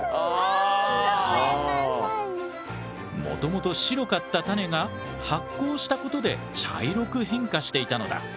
もともと白かったタネが発酵したことで茶色く変化していたのだ。